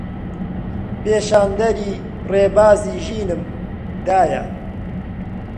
پیشاندەری ڕێبازی ژینم دایە